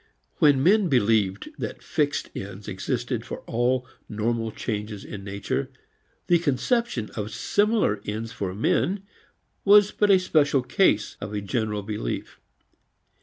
When men believed that fixed ends existed for all normal changes in nature, the conception of similar ends for men was but a special case of a general belief.